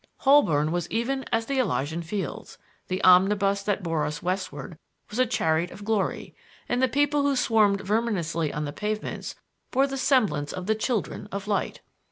Holborn was even as the Elysian Fields; the omnibus that bore us westward was a chariot of glory; and the people who swarmed verminously on the pavements bore the semblance of the children of light.